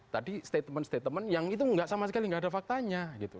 tadi statement statement yang itu nggak sama sekali nggak ada faktanya gitu